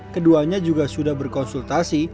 keduanya juga sudah berkonsultasi